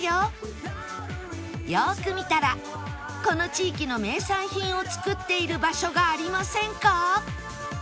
よーく見たらこの地域の名産品を作っている場所がありませんか？